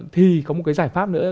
thì có một cái giải pháp nữa